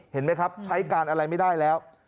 เห็นไหมครับใช้การอะไรไม่ได้แล้ว